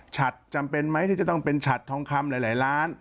จำเป็นไหมที่จะต้องเป็นฉัดทองคำหลายล้าน